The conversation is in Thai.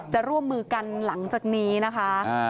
จะร่วมมือกันหลังจากนี้นะคะ